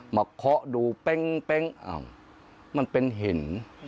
มาเคาะดูเป้งมันเป็นหิน